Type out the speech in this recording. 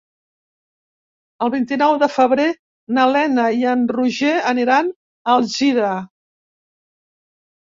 El vint-i-nou de febrer na Lena i en Roger aniran a Alzira.